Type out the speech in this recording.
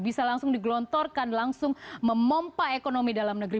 bisa langsung digelontorkan langsung memompa ekonomi dalam negeri